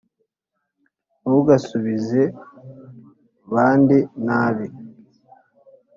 ntugasubize bandi nabi